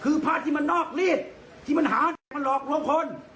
คือพระที่นอกรีดที่หาอีกก็หลอกลงคน